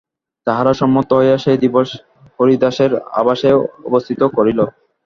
তাহারা সম্মত হইয়া সে দিবস হরিদাসের আবাসে অবস্থিতি করিল।